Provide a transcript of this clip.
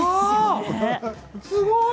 すごい。